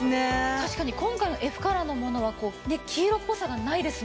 確かに今回のＦカラーのものは黄色っぽさがないですもんね。